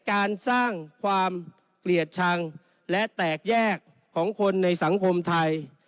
การสร้างความเกลียดชังและแตกแยกของคนในสังคมไทย